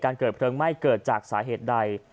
เกิดเพลิงไหม้เกิดจากสาเหตุใด